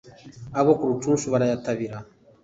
Abo ku Rucushu barayatabira